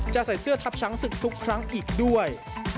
จะใส่เสื้อทัพช้างศึกทุกครั้งอีกด้วย